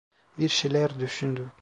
Bir şeyler düşündü…